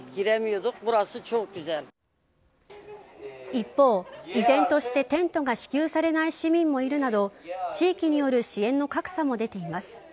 一方、依然としてテントが支給されない市民もいるなど地域による支援の格差も出ています。